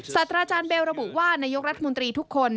สัตว์อาจารย์เบลระบุว่านายกรัฐมนตรีทุกคน